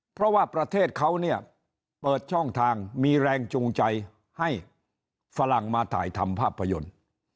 เพราะว่าประเทศเขาเนี่ยเปิดช่องทางมีแรงจูงใจให้ฝรั่งมาถ่ายทำภาพยนตร์